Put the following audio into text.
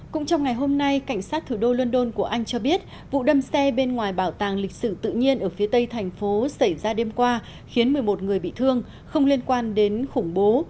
cũng trong ngày hôm nay cảnh sát thủ đô london của anh cho biết vụ đâm xe bên ngoài bảo tàng lịch sử tự nhiên ở phía tây thành phố xảy ra đêm qua khiến một mươi một người bị thương không liên quan đến khủng bố